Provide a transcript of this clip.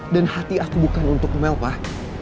dan hati aku bukan untuk mel pak